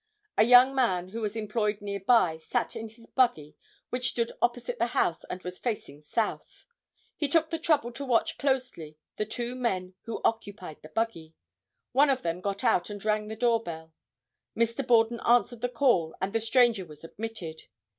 A young man who was employed near by sat in his buggy which stood opposite the house and was facing south. He took the trouble to watch closely the two men who occupied the buggy. One of them got out and rang the door bell. Mr. Borden answered the call and the stranger was admitted.